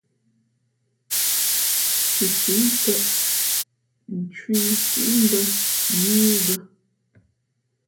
Thʉthʉ̌ nkwēʼ, ncwī síʼ mbᾱ nά í bᾱ.